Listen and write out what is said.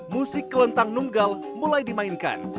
musik kelentang nunggal mulai dimainkan